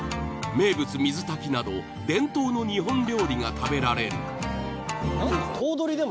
名物水炊きなど伝統の日本料理が食べられる。